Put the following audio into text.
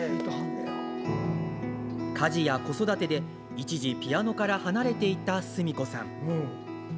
家事や子育てで、一時、ピアノから離れていた澄子さん。